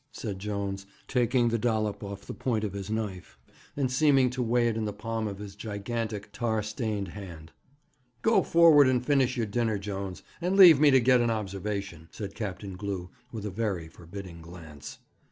said Jones, taking the dollop off the point of his knife, and seeming to weigh it in the palm of his gigantic, tar stained hand. 'Go forward and finish your dinner, Jones, and leave me to get an observation,' said Captain Glew, with a very forbidding glance.